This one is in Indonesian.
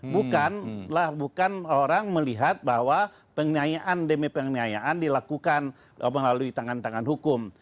bukanlah bukan orang melihat bahwa penginayaan demi penginayaan dilakukan melalui tangan tangan hukum